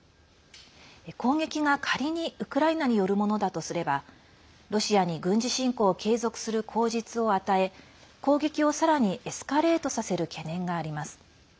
攻撃が仮にウクライナによるものだとすればロシアに軍事侵攻を継続する口実を与え攻撃をさらにエスカレートさせる懸念があります。